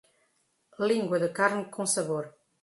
Lingua de carne com sabor